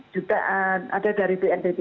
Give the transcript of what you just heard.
juga ada dari bnpb